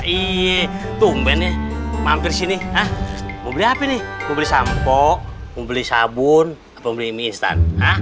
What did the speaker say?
iya itu umbennya mampir sini mau beli apa nih mau beli sampo mau beli sabun mau beli mie instan